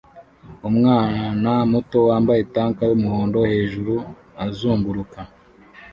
Umwana muto wambaye tank yumuhondo hejuru azunguruka